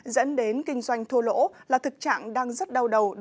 dẫn đến kinh doanh thua lỗ là thực trạng đang rất đau đầu